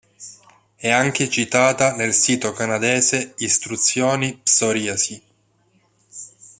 È anche citata nel sito canadese Istruzione Psoriasi.